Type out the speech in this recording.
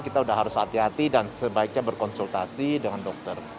kita sudah harus hati hati dan sebaiknya berkonsultasi dengan dokter